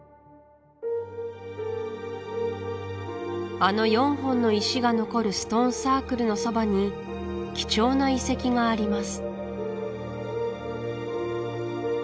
あの４本の石が残るストーンサークルのそばに貴重な遺跡があります